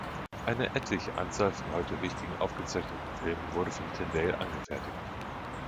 Eine etliche Anzahl von heute wichtigen aufgezeichneten Filmen wurden von Tindale angefertigt.